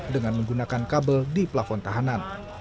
dengan menggunakan kabel di plafon tahanan